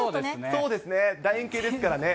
そうですね、だ円形ですからね。